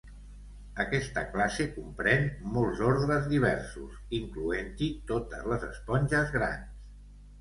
Aquesta classe comprèn molts ordres diversos, incloent-hi totes les esponges grans.